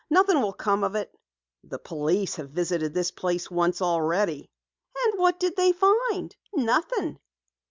Nothing will come of it." "The police have visited this place once already." "And what did they find? Nothing."